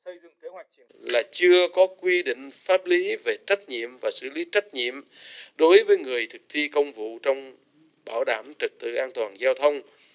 nguyên nhân là do chưa có quy định pháp lý về trách nhiệm và xử lý trách nhiệm đối với người thực thi công vụ trong bảo đảm trật tự an toàn giao thông